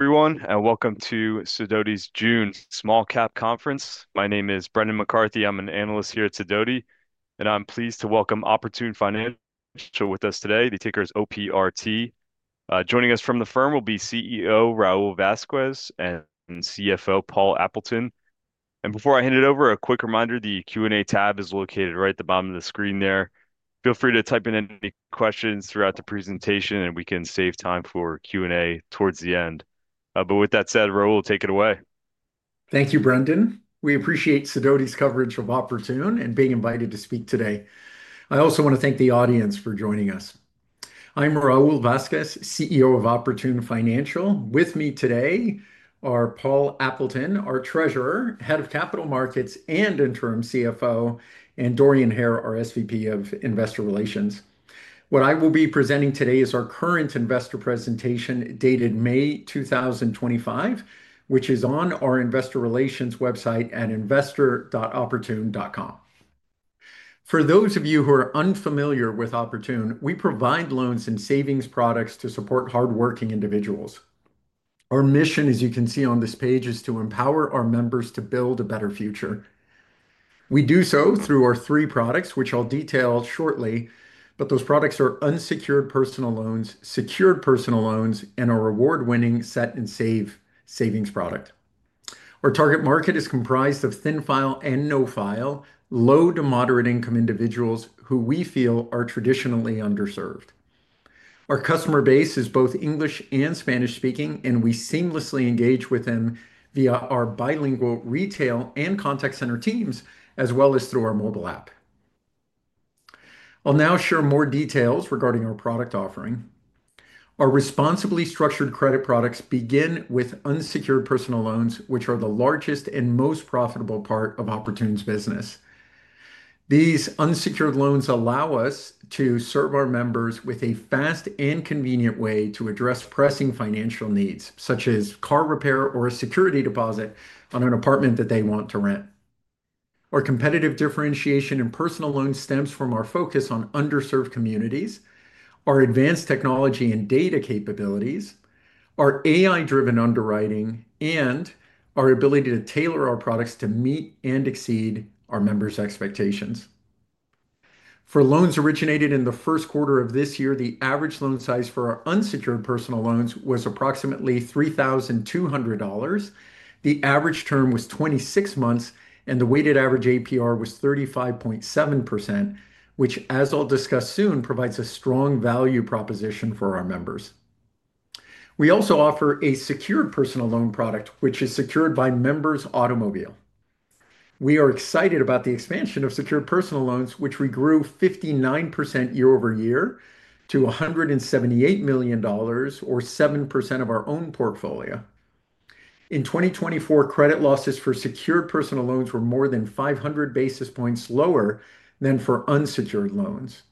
Everyone and welcome to Sidoti's June small cap conference. My name is Brendan McCarthy, I'm an analyst here at Sidoti and I'm pleased to welcome Oportun Financial with us today. The ticker is OPRT. Joining us from the firm will be CEO Raul Vazquez and CFO Paul Appleton. Before I hand it over, a quick reminder. The Q&A tab is located right at the bottom of the screen there. Feel free to type in any questions throughout the presentation and we can save time for Q&A towards the end. With that said, Raul, take it away. Thank you, Brendan. We appreciate Sidoti's coverage of Oportun and being invited to speak today. I also want to thank the audience for joining us. I'm Raul Vazquez, CEO of Oportun Financial. With me today are Paul Appleton, our Treasurer, Head of Capital Markets and interim CFO, and Dorian Hare, our SVP of Investor Relations. What I will be presenting today is our current investor presentation dated May 2025, which is on our investor relations website at investor.oportun.com. For those of you who are unfamiliar with Oportun, we provide loans and savings products to support hard-working individuals. Our mission, as you can see on this page, is to empower our members to build a better future. We do so through our three products, which I'll detail shortly, but those products are unsecured personal loans, secured personal loans, and our award-winning Set & Save savings product. Our target market is comprised of thin file and no file, low to moderate income individuals who we feel are traditionally underserved. Our customer base is both English and Spanish speaking and we seamlessly engage with them via our bilingual retail and contact center teams as well as through our mobile app. I'll now share more details regarding our product offering. Our responsibly structured credit products begin with unsecured personal loans which are the largest and most profitable part of Oportun's business. These unsecured loans allow us to serve our members with a fast and convenient way to address pressing financial needs such as car repair or a security deposit on an apartment that they want to rent. Our competitive differentiation in personal loans stems from our focus on underserved communities, our advanced technology and data capabilities, our AI-driven underwriting, and our ability to tailor our products to meet and exceed our members' expectations. For loans originated in the first quarter of this year, the average loan size for our unsecured personal loans was approximately $3,200. The average term was 26 months and the weighted average APR was 35.7%, which, as I'll discuss soon, provides a strong value proposition for our members. We also offer a secured personal loan product, which is secured by members' automobiles. We are excited about the expansion of secured personal loans, which we grew 59% year-over-year to $178 million, or 7% of our own portfolio in 2024. Credit losses for secured personal loans were more than 500 basis points lower than for unsecured loans.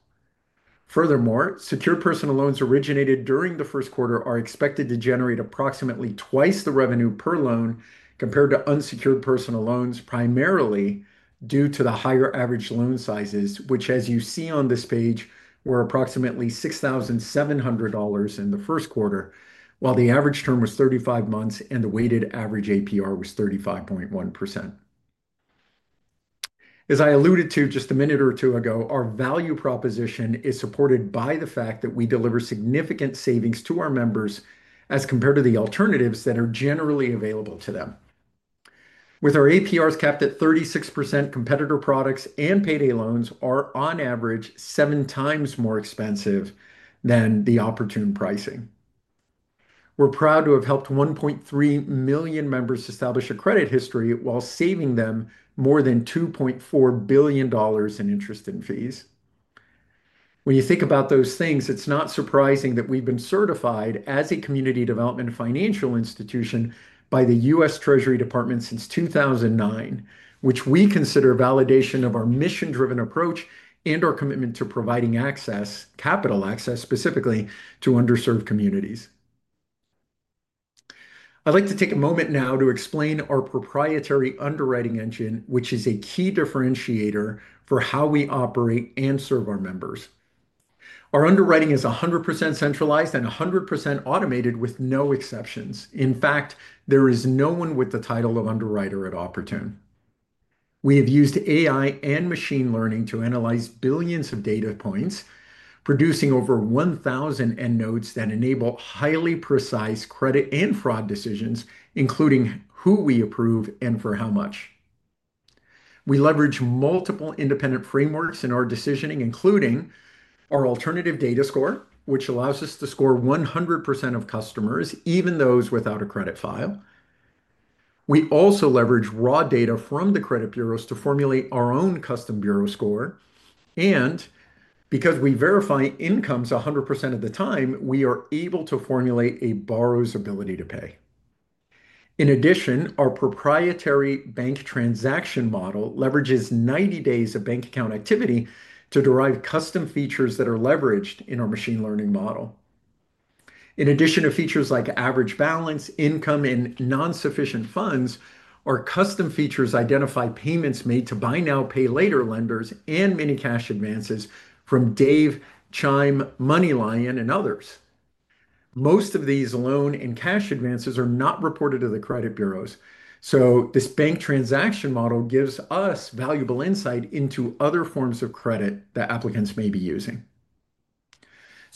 Furthermore, secured personal loans originated during the first quarter are expected to generate approximately twice the revenue per loan compared to unsecured personal loans, primarily due to the higher average loan sizes which as you see on this page were approximately $6,700 in the first quarter while the average term was 35 months and the weighted average APR was 35.1%. As I alluded to just a minute or two ago, our value proposition is supported by the fact that we deliver significant savings to our members as compared to the alternatives that are generally available to them. With our APRs capped at 36%, competitor products and payday loans are on average seven times more expensive than the Oportun pricing. We're proud to have helped 1.3 million members establish a credit history while saving them more than $2.4 billion in interest and fees. When you think about those things, it's not surprising that we've been certified as a Community Development Financial Institution by the U.S. Treasury Department since 2009, which we consider validation of our mission-driven approach and our commitment to providing capital access specifically to underserved communities. I'd like to take a moment now to explain our proprietary underwriting engine, which is a key differentiator for how we operate and serve our members. Our underwriting is 100% centralized and 100% automated, with no exceptions. In fact, there is no one with the title of underwriter at Oportun. We have used AI and machine learning to analyze billions of data points, producing over 1,000 endnotes that enable highly precise credit and fraud decisions, including who we approve and for how much. We leverage multiple independent frameworks in our decisioning, including our alternative data score, which allows us to score 100% of customers, even those without a credit file. We also leverage raw data from the credit bureaus to formulate our own custom bureau score, and because we verify incomes 100% of the time, we are able to formulate a borrower's ability to pay. In addition, our proprietary bank transaction model leverages 90 days of bank account activity to derive custom features that are leveraged in our machine learning model, in addition to features like average balance income and non sufficient funds, our custom features identify payments made to buy now, pay later lenders, and many cash advances from Dave, Chime, MoneyLion and others. Most of these loan and cash advances are not reported to the credit bureaus, so this bank transaction model gives us valuable insight into other forms of credit that applicants may be using.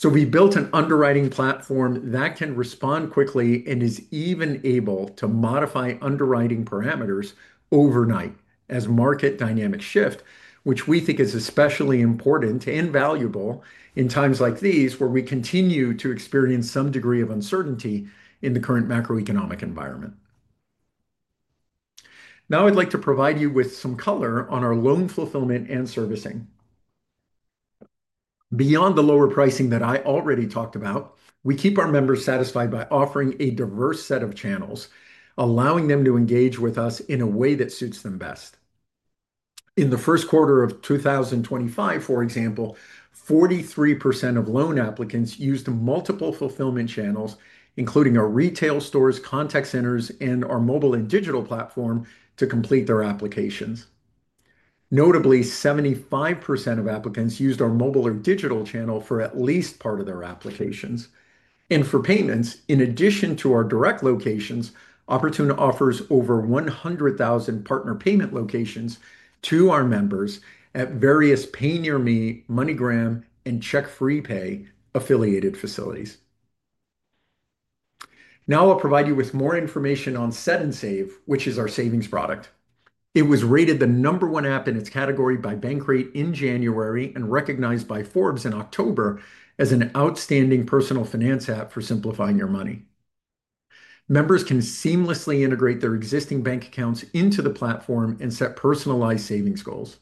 We built an underwriting platform that can respond quickly and is even able to modify underwriting parameters overnight as market dynamics shift, which we think is especially important and valuable in times like these where we continue to experience some degree of uncertainty in the current macroeconomic environment. Now, I'd like to provide you with some color on our loan fulfillment and servicing beyond the lower pricing that I already talked about. We keep our members satisfied by offering a diverse set of channels, allowing them to engage with us in a way that suits them best. In the first quarter of 2025, for example, 43% of loan applicants used multiple fulfillment channels, including our retail stores, contact centers, and our mobile and digital platform to complete their applications. Notably, 75% of applicants used our mobile or digital channel for at least part of their applications and for payments. In addition to our direct locations, Oportun offers over 100,000 partner payment locations to our members at various PayNearMe, MoneyGram, and CheckFreePay affiliated facilities. Now I'll provide you with more information on Set & Save, which is our savings product. It was rated the number one app in its category by Bankrate in January and recognized by Forbes in October as an outstanding personal finance app for simplifying your money. Members can seamlessly integrate their existing bank accounts into the platform and set personalized savings goals.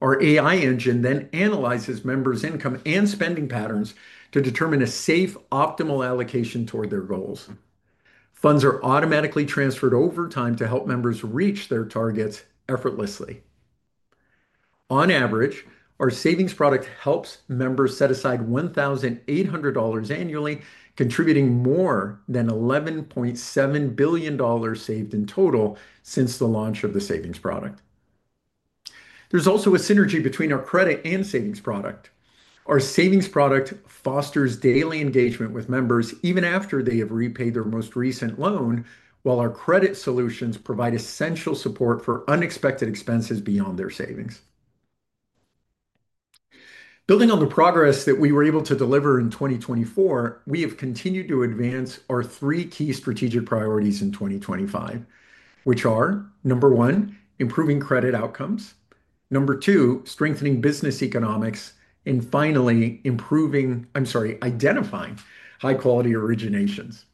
Our AI engine then analyzes members' income and spending patterns to determine a safe, optimal allocation toward their goals. Funds are automatically transferred over time to help members reach their targets effortlessly. On average, our savings product helps members set aside $1,800 annually, contributing more than $11.7 billion saved in total since the launch of the savings product. There is also a synergy between our credit and savings product. Our savings product fosters daily engagement with members even after they have repaid their most recent loan, while our credit solutions provide essential support for unexpected expenses beyond their savings. Building on the progress that we were able to deliver in 2024, we have continued to advance our three key strategic priorities in 2025, which are number one, improving credit outcomes, number two, strengthening business economics, and finally, identifying high quality originations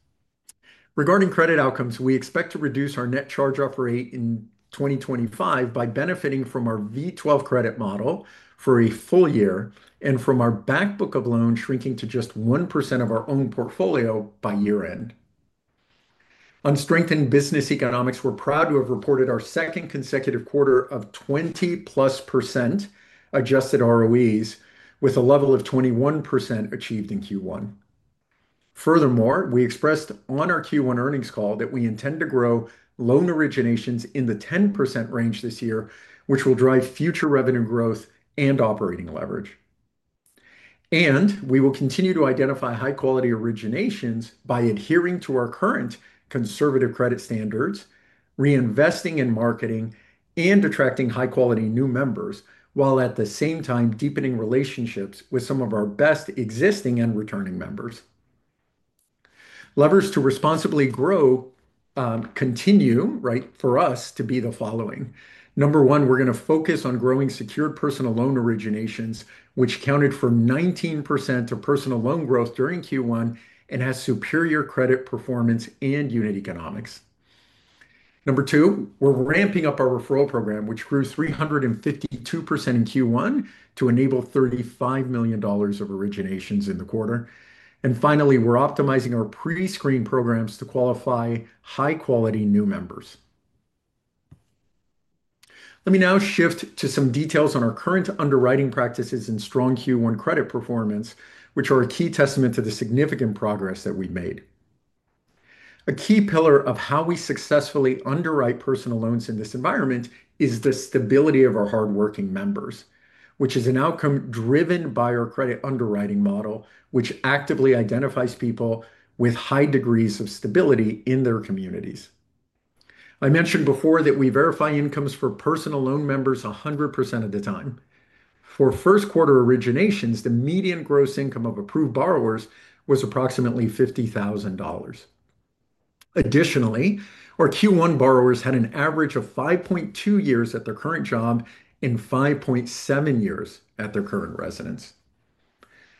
regarding credit outcomes. We expect to reduce our net charge-off rate in 2025 by benefiting from our V12 credit model for a full year and from our back book of loans shrinking to just 1% of our own portfolio by year end. On strengthened business economics, we're proud to have reported our second consecutive quarter of 20%+ adjusted ROEs with a level of 21% achieved in Q1. Furthermore, we expressed on our Q1 earnings call that we intend to grow loan originations in the 10% range this year which will drive future revenue growth and operating leverage. We will continue to identify high quality originations by adhering to our current conservative credit standards, reinvesting in marketing and attracting high quality new members while at the same time deepening relationships with some of our best existing and returning members. Levers to responsibly grow continue right for us to be the following. Number one, we're going to focus on growing secured personal loan originations, which accounted for 19% of personal loan growth during Q1 and has superior credit performance and unit economics. Number two, we're ramping up our referral program, which grew 352% in Q1 to enable $35 million of originations in the quarter. Finally, we're optimizing our pre screened programs to qualify high quality new members. Let me now shift to some details on our current underwriting practices and strong Q1 credit performance, which are a key testament to the significant progress that we've made. A key pillar of how we successfully underwrite personal loans in this environment is the stability of our hard working members, which is an outcome driven by our credit underwriting model, which actively identifies people with high degrees of stability in their communities. I mentioned before that we verify incomes for personal loan members 100% of the time. For first quarter originations, the median gross income of approved borrowers was approximately $50,000. Additionally, our Q1 borrowers had an average of 5.2 years at their current job and 5.7 years at their current residence.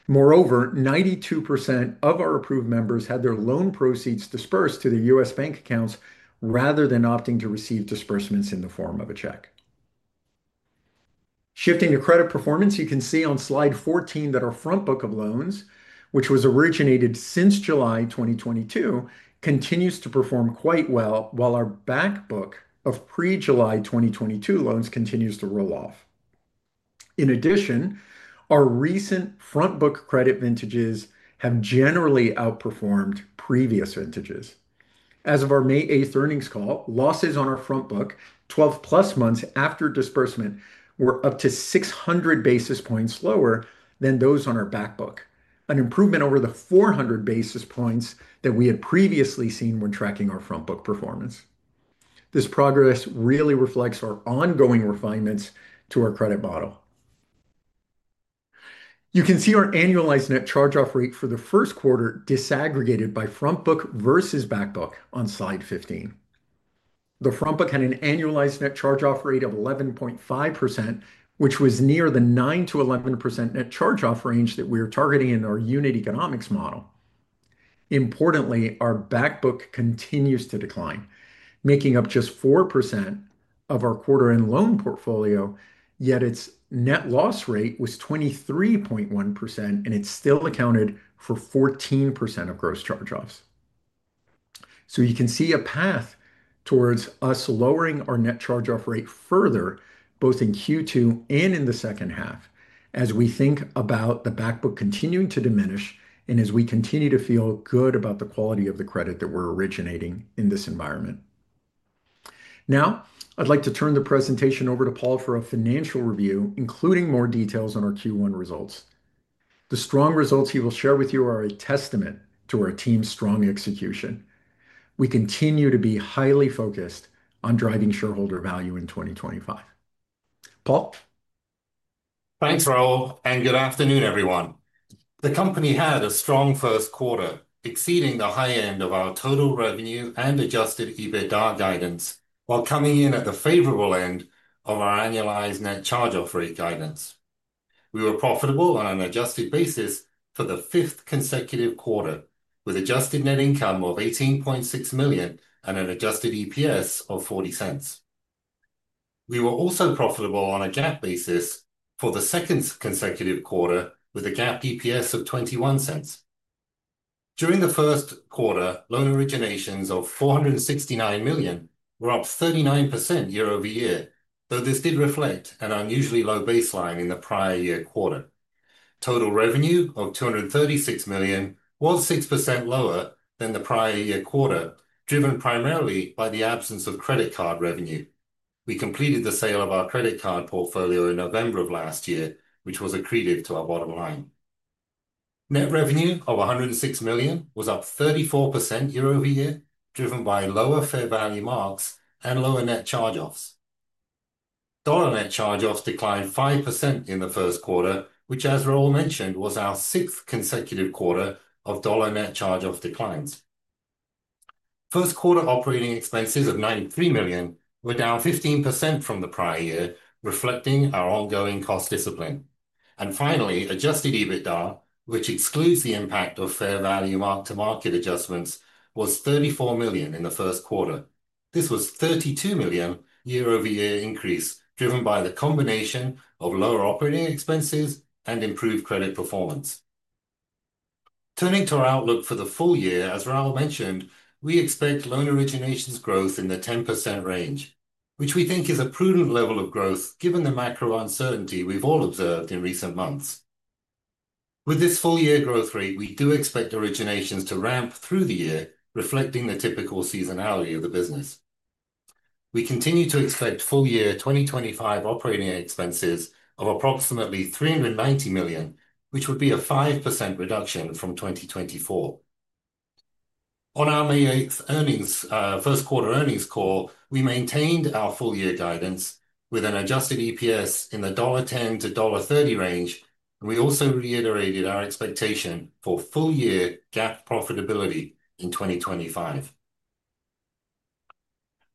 Moreover, 92% of our approved members had their loan proceeds disbursed to their U.S. bank accounts rather than opting to receive disbursements in the form of a check. Shifting to credit performance, you can see on slide 14 that our front book of loans, which was originated since July 2022, continues to perform quite well while our back book of pre-July 2022 loans continues to roll off. In addition, our recent front book credit vintages have generally outperformed previous vintages. As of our May 8 earnings call, losses on our front book 12+ months after disbursement were up to 600 basis points lower than those on our back book, an improvement over the 400 basis points that we had previously seen when tracking our front book performance. This progress really reflects our ongoing refinements to our credit model. You can see our annualized net charge-off rate for the first quarter disaggregated by front book versus back book on slide 15. The front book had an annualized net charge-off rate of 11.5% which was near the 9-11% net charge-off range that we are targeting in our unit economics model. Importantly, our back book continues to decline, making up just 4% of our quarter-end loan portfolio. Yet its net loss rate was 23.1% and it still accounted for 14% of gross charge-offs. You can see a path towards us lowering our net charge-off rate further both in Q2 and in the second half as we think about the back book continuing to diminish and as we continue to feel good about the quality of the credit that we're originating in this environment. Now I'd like to turn the presentation over to Paul for a financial review including more details on our Q1 results. The strong results he will share with you are a testament to our team's strong execution. We continue to be highly focused on driving shareholder value in 2025. Paul. Thanks Raul and good afternoon everyone. The company had a strong first quarter, exceeding the high end of our total revenue and adjusted EBITDA guidance while coming in at the favorable end of our annualized net charge-off rate guidance. We were profitable on an adjusted basis for the fifth consecutive quarter with adjusted net income of $18.6 million and an adjusted EPS of $0.40. We were also profitable on a GAAP basis for the second consecutive quarter with a GAAP EPS of $0.21. During the first quarter, loan originations of $469 million were up 39% year-over-year, though this did reflect an unusually low baseline in the prior year. Quarter total revenue of $236 million was 6% lower than the prior year quarter driven primarily by the absence of credit card revenue. We completed the sale of our credit card portfolio in November of last year, which was accretive to our bottom line. Net revenue of $106 million was up 34% year-over-year driven by lower fair value marks and lower net charge offs. Dollar net charge offs declined 5% in the first quarter, which, as Raul mentioned, was our sixth consecutive quarter of dollar net charge off declines. First quarter operating expenses of $93 million were down 15% from the prior year reflecting our ongoing cost discipline, and finally adjusted EBITDA, which excludes the impact of fair value mark to market adjustments, was $34 million in the first quarter. This was a $32 million year-over-year increase driven by the combination of lower operating expenses and improved credit performance. Turning to our outlook for the full year, as Raul mentioned, we expect loan originations growth in the 10% range, which we think is a prudent level of growth given the macro uncertainty we've all observed in recent months. With this full year growth rate, we do expect originations to ramp through the year, reflecting the typical seasonality of the business. We continue to expect full year 2025 operating expenses of approximately $390 million, which would be a 5% reduction from 2024. On our May 8 earnings first quarter earnings call, we maintained our full year guidance with an adjusted EPS in the $1.10-$1.30 range and we also reiterated our expectation for full year GAAP profitability in 2025.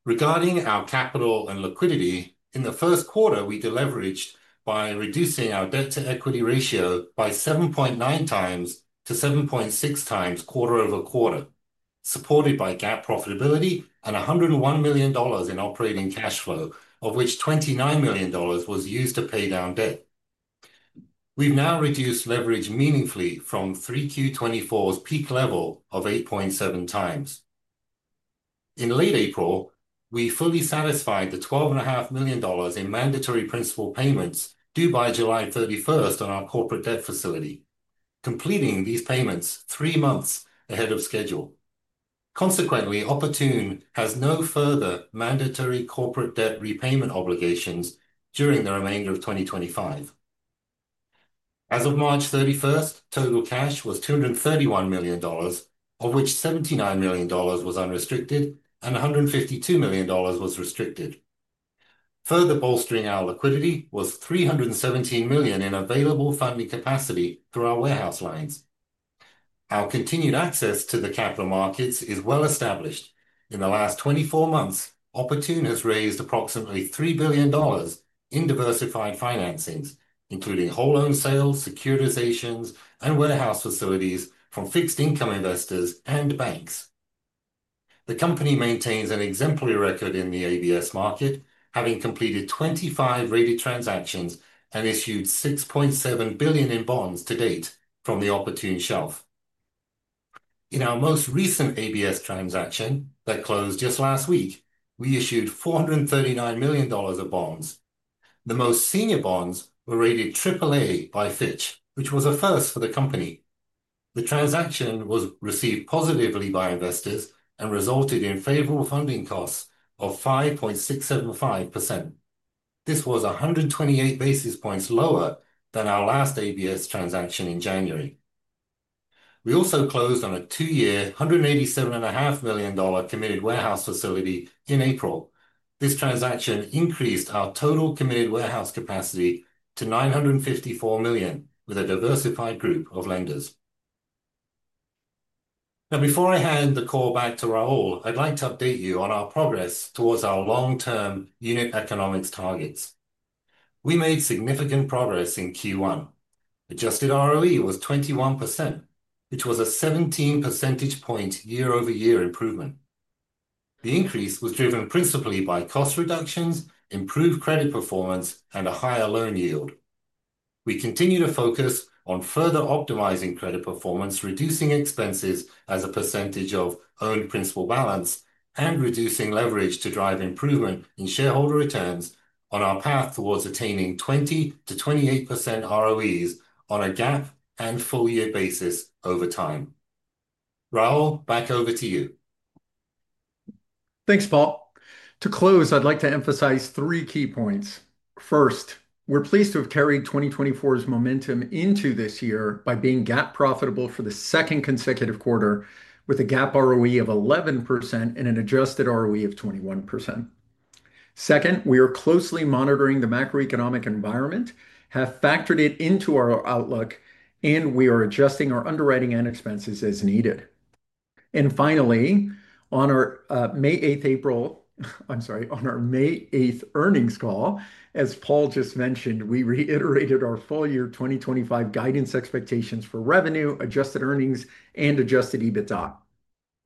Regarding our capital and liquidity in the first quarter, we deleveraged by reducing our debt to equity ratio from 7.9 times to 7.6 times quarter-over-quarter. Supported by GAAP profitability and $101 million in operating cash flow, of which $29 million was used to pay down debt, we've now reduced leverage meaningfully from 3Q 2024's peak level of 8.7 times. In late April, we fully satisfied the $12.5 million in mandatory principal payments due by July 31st on our corporate debt facility, completing these payments three months ahead of schedule. Consequently, Oportun has no further mandatory corporate debt repayment obligations during the remainder of 2025. As of March 31st, total cash was $231 million, of which $79 million was unrestricted and $152 million was restricted. Further bolstering our liquidity was $317 million in available funding capacity through our warehouse lines. Our continued access to the capital markets is well established. In the last 24 months, Oportun has raised approximately $3 billion in diversified financings, including whole loan sales, securitizations, and warehouse facilities from fixed income investors and banks. The company maintains an exemplary record in the ABS market, having completed 25 rated transactions and issued $6.7 billion in bonds to date from the Oportun shelf. In our most recent ABS transaction that closed just last week, we issued $439 million of bonds. The most senior bonds were rated AAA by Fitch, which was a first for the company. The transaction was received positively by investors and resulted in favorable funding costs of 5.675%. This was 128 basis points lower than our last ABS transaction in January. We also closed on a two-year, $187.5 million committed warehouse facility in April. This transaction increased our total committed warehouse capacity to $954 million with a diversified group of lenders. Now, before I hand the call back to Raul, I'd like to update you on our progress towards our long term unit economics targets. We made significant progress in Q1. Adjusted ROE was 21%, which was a 17 percentage point year-over-year improvement. The increase was driven principally by cost reductions, expense, improved credit performance, and a higher loan yield. We continue to focus on further optimizing credit performance, reducing expenses as a percentage of earned principal balance, and reducing leverage to drive improvement in shareholder returns on our path towards attaining 20-28% ROEs on a GAAP and full year basis over time. Raul, back over to you. Thanks Paul. To close, I'd like to emphasize three key points. First, we're pleased to have carried 2024's momentum into this year by being GAAP profitable for the second consecutive quarter with a GAAP ROE of 11% and an adjusted ROE of 21%. Second, we are closely monitoring the macroeconomic environment, have factored it into our outlook and we are adjusting our underwriting and expenses as needed. Finally, on our May 8, April. I'm sorry, on our May 8 earnings call, as Paul just mentioned, we reiterated our full year 2025 guidance, expectations for revenue, adjusted earnings and adjusted EBITDA.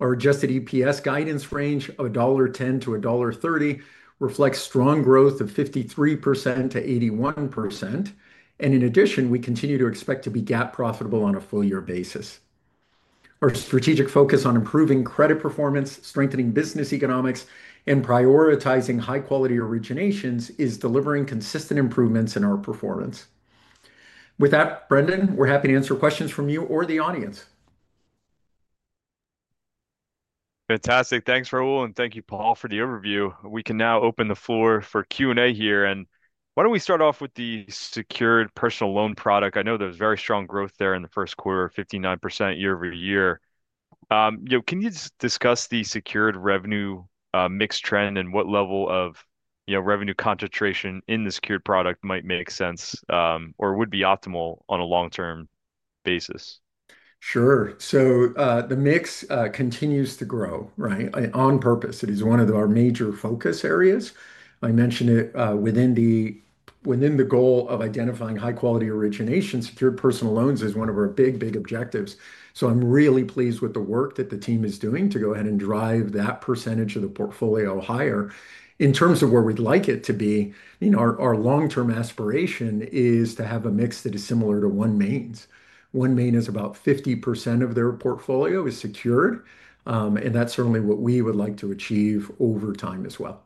Our adjusted EPS guidance range of $1.10-$1.30 reflects strong growth of 53% to 81%. In addition, we continue to expect to be GAAP profitable on a full year basis. Our strategic focus on improving credit performance, strengthening business economics, and prioritizing high quality originations is delivering consistent improvements in our performance. With that, Brendan, we're happy to answer questions from you or the audience. Fantastic. Thanks Raul. Thank you Paul for the overview. We can now open the floor for Q&A here. Why do not we start off with the secured personal loan product? I know there is very strong growth there in the first quarter, 59% year-over-year. Can you discuss the secured revenue mix trend and what level of revenue concentration in the secured product might make sense or would be optimal on a long term basis? Sure. The mix continues to grow right on purpose. It is one of our major focus areas. I mentioned it within the goal of identifying high quality origination. Secured personal loans is one of our big, big objectives. I am really pleased with the work that the team is doing to go drive that percentage of the portfolio higher in terms of where we would like it to be. Our long term aspiration is to have a mix that is similar to OneMain's. OneMain is about 50% of their portfolio is secured, and that is certainly what we would like to achieve over time as well.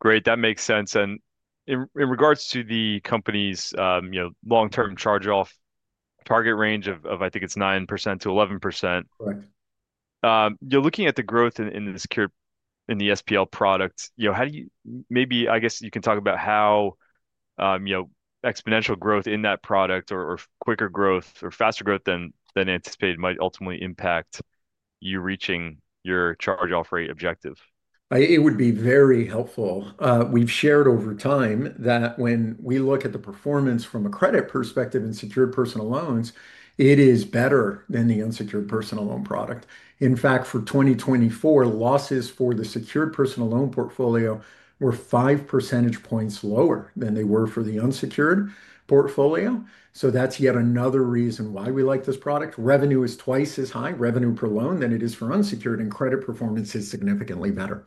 Great, that makes sense. In regards to the company's long-term charge-off target range of I think it's 9%-11%? Correct. You're looking at the growth in the secured in the SPL product. Maybe I guess you can talk about how exponential growth in that product or quicker growth or faster growth than anticipated might ultimately impact you reaching your charge-off rate objective. It would be very helpful. We've shared over time that when we look at the performance from a credit perspective in secured personal loans, it is better than the unsecured personal loan product. In fact, for 2024, losses for the secured personal loan portfolio were 5 percentage points lower than they were for the unsecured portfolio. That is yet another reason why we like this product. Revenue is twice as high revenue per loan than it is for unsecured and credit performance is significantly better.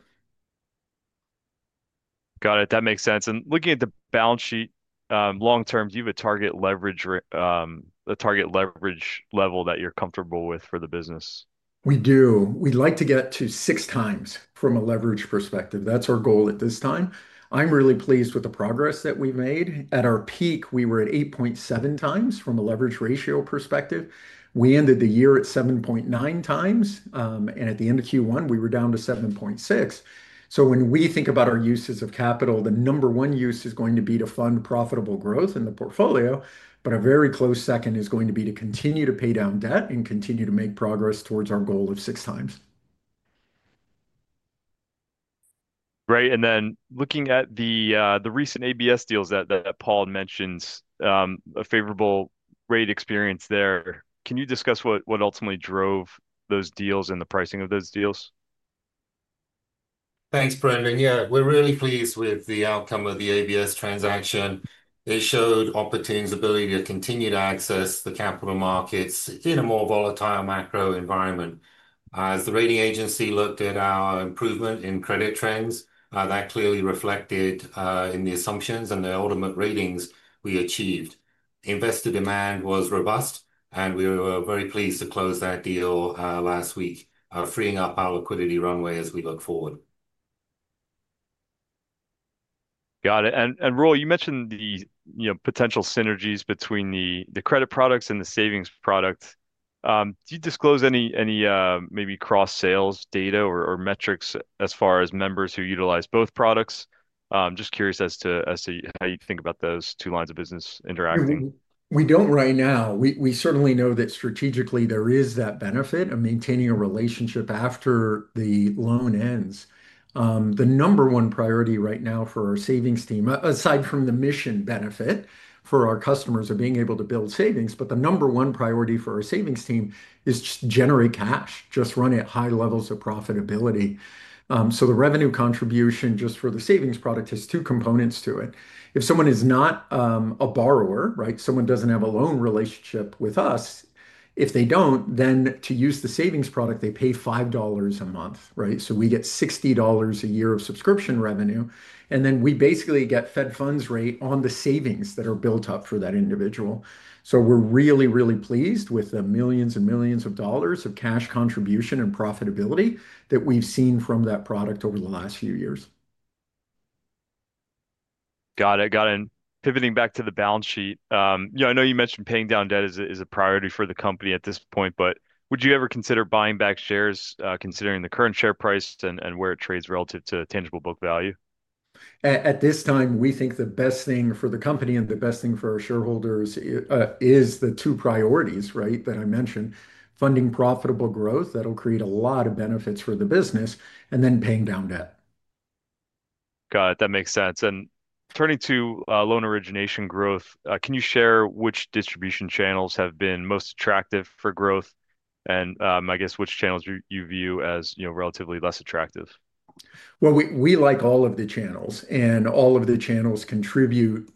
Got it. That makes sense. Looking at the balance sheet long term, do you have a target leverage, the target leverage level that you're comfortable with for the business? We do. We'd like to get to six times from a leverage perspective. That's our goal at this time. I'm really pleased with the progress that we've made. At our peak we were at 8.7 times. From a leverage ratio perspective, we ended the year at 7.9 times and at the end of Q1 we were down to 7.6. When we think about our uses of capital, the number one use is going to be to fund profitable growth in the portfolio. A very close second is going to be to continue to pay down debt and continue to make progress towards our goal of six times. Great. Looking at the recent ABS deals that Paul mentions, a favorable rate experience there. Can you discuss what ultimately drove those deals and the pricing of those deals? Thanks, Brendan. Yeah, we're really pleased with the outcome of the ABS transaction. That showed Oportun's ability to continue to access the capital markets in a more volatile macro environment. As the rating agency looked at our improvement in credit trends, that clearly reflected in the assumptions and the ultimate ratings we achieved. Investor demand was robust and we were very pleased to close that deal last week, freeing up our liquidity runway as we look forward to. Got it. Roy, you mentioned the potential synergies between the credit products and the savings product. Do you disclose any maybe cross sales data or metrics as far as members who utilize both products? Just curious as to how you think about those two lines of business interacting. We do not right now. We certainly know that strategically there is that benefit of maintaining a relationship after the loan ends. The number one priority right now for our savings team, aside from the mission benefit for our customers, are being able to build savings. The number one priority for our savings team is just generate cash, just run at high levels of profitability. The revenue contribution just for the savings product has two components to it. If someone is not a borrower, right, someone does not have a loan relationship with us, if they do not, then to use the savings product, they pay $5 a month, right. We get $60 a year of subscription revenue and then we basically get fed funds rate on the savings that are built up for that individual. We're really, really pleased with the millions and millions of dollars of cash contribution and profitability that we've seen from that product over the last few years. Got it, got it. Pivoting back to the balance sheet. You know, I know you mentioned paying down debt is a priority for the company at this point, but would you ever consider buying back shares, considering the current share price and where it trades relative to tangible book value? At this time. We think the best thing for the company and the best thing for our shareholders is the two priorities. Right. That I mentioned. Funding profitable growth that'll create a lot of benefits for the business and then paying down debt. Got it. That makes sense. Turning to loan origination growth, can you share which distribution channels have been most attractive for growth and I guess which channels you view as, you know, relatively less attractive? We like all of the channels and all of the channels contribute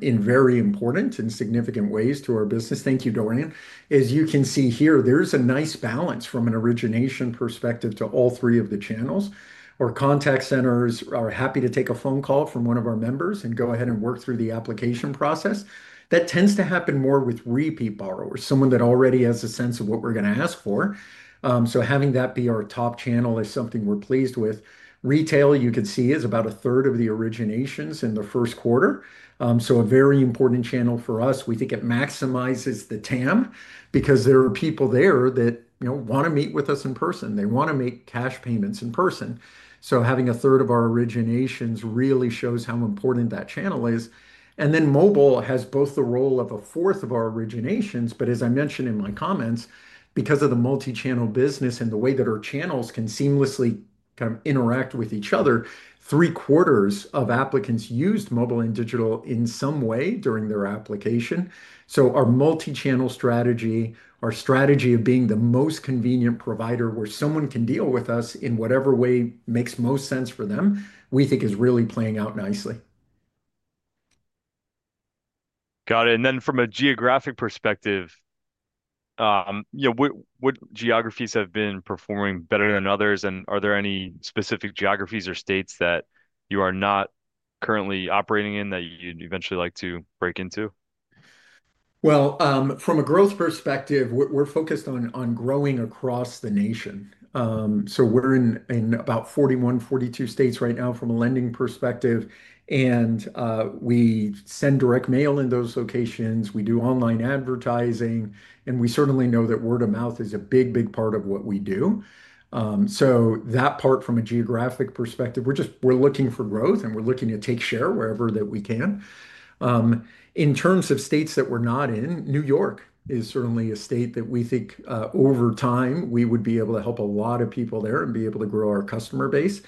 in very important and significant ways to our business. Thank you, Dorian. As you can see here, there's a nice balance from an origination perspective to all three of the channels. Our contact centers are happy to take a phone call from one of our members and go ahead and work through the application process. That tends to happen more with repeat borrowers, someone that already has a sense of what we're going to ask for. Having that be our top channel is something we're pleased with. Retail, you can see, is about a third of the originations in the first quarter, so a very important channel for us. We think it maximizes the TAM because there are people there that, you know, want to meet with us in person, they want to make cash payments in person. Having a third of our originations really shows how important that channel is. Mobile has both the role of a fourth of our originations. As I mentioned in my comments, because of the multi channel business and the way that our channels can seamlessly interact with each other, 3/4 of applicants used mobile and digital in some way during their application. Our multi channel strategy, our strategy of being the most convenient provider where someone can deal with us in whatever way makes most sense for them, we think is really playing out nicely. Got it. And then from a geographic perspective, you know what? Geographies have been performing better than others. And are there any specific geographies or states that you are not currently operating in that you'd eventually like to break into? From a growth perspective, we're focused on growing across the nation. We're in about 41-42 states right now, from a lending perspective. We send direct mail in those locations, we do online advertising, and we certainly know that word of mouth is a big, big part of what we do. That part, from a geographic perspective, we're just looking for growth and we're looking to take share wherever we can. In terms of states that we're not in, New York is certainly a state that we think over time we would be able to help a lot of people there and be able to grow our customer base.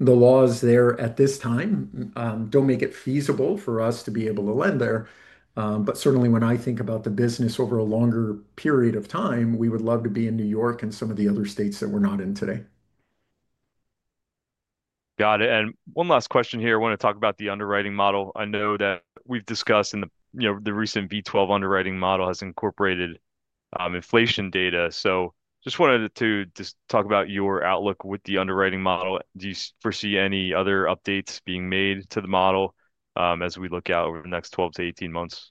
The laws there at this time don't make it feasible for us to be able to lend there. Certainly when I think about the business over a longer period of time, we would love to be in New York and some of the other states that we're not in today. Got it. One last question here. I want to talk about the underwriting model. I know that we've discussed, you know, the recent V12 underwriting model has incorporated inflation data. Just wanted to talk about your outlook with the underwriting model. Do you foresee any other updates being made to the model as we look out over the next 12-18 months?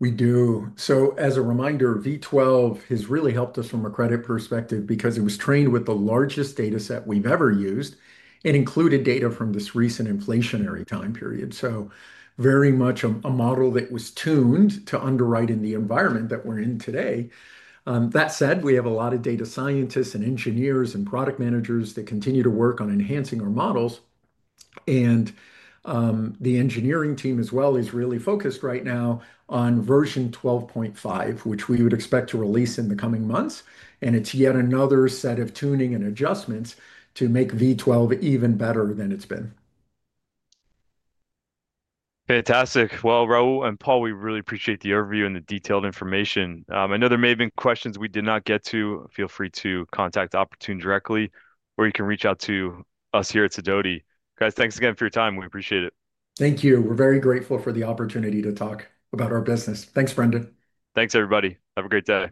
We do. As a reminder, V12 has really helped us from a credit perspective because it was trained with the largest data set we have ever used and included data from this recent inflationary time period. Very much a model that was tuned to underwrite in the environment that we are in today. That said, we have a lot of data scientists and engineers and product managers that continue to work on enhancing our models. The engineering team as well is really focused right now on version 12.5, which we would expect to release in the coming months. It is yet another set of tuning and adjustments to make V12 even better than it has been. Fantastic. Raul and Paul, we really appreciate the overview and the detailed information. I know there may have been questions we did not get to. Feel free to contact Oportun directly or you can reach out to us here at Sidoti. Guys, thanks again for your time. We appreciate it. Thank you. We're very grateful for the opportunity to talk about our business. Thanks, Brendan. Thanks, everybody. Have a great day.